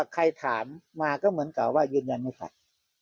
ใครถามมาก็เหมือนกับว่ายืนยันไม่ฟัง